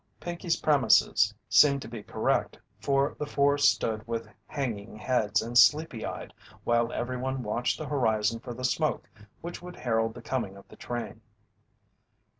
Pinkey's premises seemed to be correct, for the four stood with hanging heads and sleepy eyed while everyone watched the horizon for the smoke which would herald the coming of the train.